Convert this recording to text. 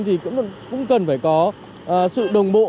thì cũng cần phải có sự đồng bộ